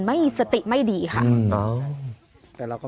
เบิร์ตลมเสียโอ้โห